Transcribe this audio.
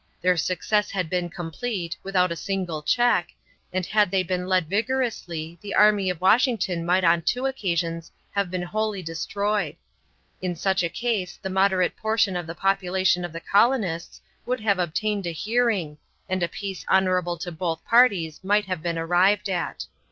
Their success had been complete, without a single check, and had they been led vigorously the army of Washington might on two occasions have been wholly destroyed. In such a case the moderate portion of the population of the colonies would have obtained a hearing, and a peace honorable to both parties might have been arrived at.